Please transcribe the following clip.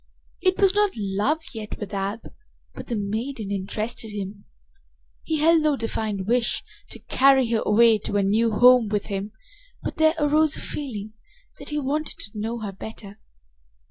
It was not love yet with Ab, but the maiden interested him. He held no defined wish to carry her away to a new home with him, but there arose a feeling that he wanted to know her better.